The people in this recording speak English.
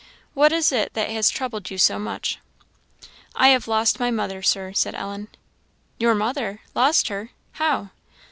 What is it that has troubled you so much?" "I have lost my mother, Sir," said Ellen. "Your mother! Lost her! how?"